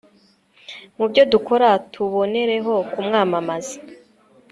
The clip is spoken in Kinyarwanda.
mu byo dukora; tubonereho kumwamamaza